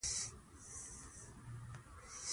کابل پوهنتون د روسي ژبو پوهنځي کې محصلان په درس بوخت دي.